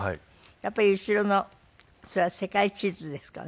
やっぱり後ろのそれは世界地図ですかね。